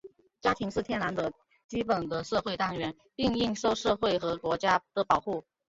家庭是天然的和基本的社会单元,并应受社会和国家的保护。